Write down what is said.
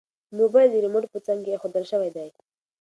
موبایل د ریموټ په څنګ کې ایښودل شوی دی.